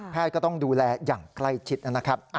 ก็ต้องดูแลอย่างใกล้ชิดนะครับ